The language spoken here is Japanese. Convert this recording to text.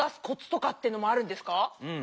うん。